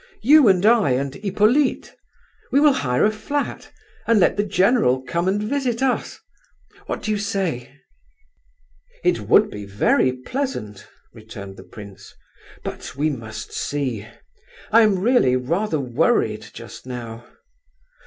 You, and I, and Hippolyte? We will hire a flat, and let the general come and visit us. What do you say?" "It would be very pleasant," returned the prince. "But we must see. I am really rather worried just now.